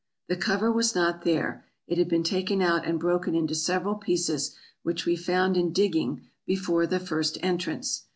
The cover was not there ; it had been taken out and broken into several pieces, which we found in dig ging before the first entrance.